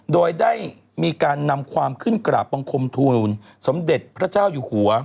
โดยได้มีการนำความขึ้นกราบบังคมทูลสมเด็จพระเจ้าอยู่หัว